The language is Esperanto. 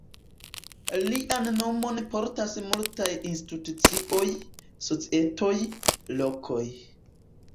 Lian nomon portas multaj institucioj, societoj, lokoj.